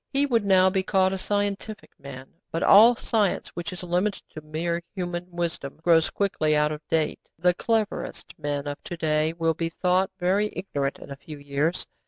He would now be called a 'scientific' man. But all science which is limited to mere human wisdom grows quickly out of date. The cleverest men of to day will be thought very ignorant in a few years.